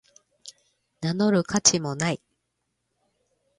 名乗る価値もない